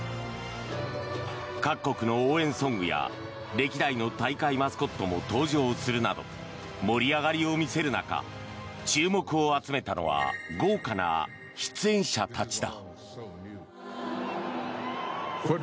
各国の応援ソングや歴代の大会マスコットも登場するなど盛り上がりを見せる中注目を集めたのは豪華な出演者たちだ。